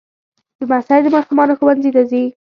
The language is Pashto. لمسی د ماشومانو ښوونځي ته ځي.